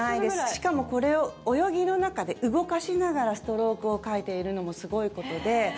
しかもこれを泳ぎの中で動かしながらストロークをかいているのもすごいことで。